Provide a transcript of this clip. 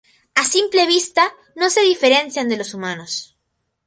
A simple vista no se diferencian de los humanos.